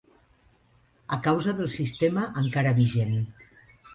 A causa del sistema encara vigent